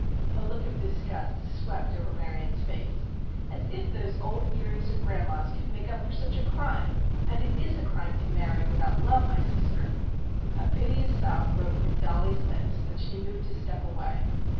A look of disgust swept over Marion's face. "As if those old earrings of grandma's could make up for such a crime! And it is a crime to marry without love, my sister." A piteous sob broke from Dollie's lips and she moved a step away.